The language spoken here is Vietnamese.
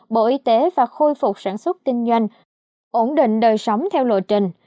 bộ y tế và khôi phục sản xuất kinh doanh ổn định đời sống theo lộ trình